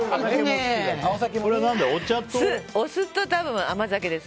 お酢と多分、甘酒です。